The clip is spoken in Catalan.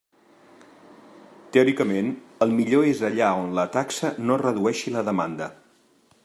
Teòricament, el millor és allà on la taxa no redueixi la demanda.